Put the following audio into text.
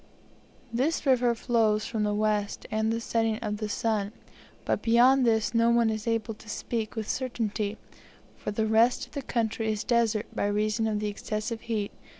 This river flows from the west and the setting of the sun; but beyond this no one is able to speak with certainty, for the rest of the country is desert by reason of the excessive heat.